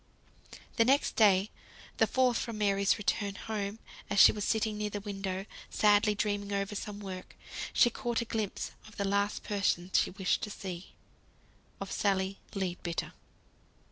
The next day, the fourth from Mary's return home, as she was sitting near the window, sadly dreaming over some work, she caught a glimpse of the last person she wished to see of Sally Leadbitter!